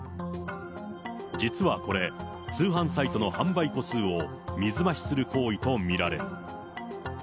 実はこれ、通販サイトの販売個数を水増しする行為と見られる。